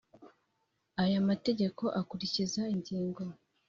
aya mategeko akurikiza ingingo